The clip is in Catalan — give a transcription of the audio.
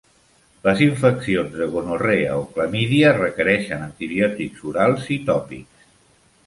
Les infeccions de gonorrea o clamídia requereixen antibiòtics orals i tòpics.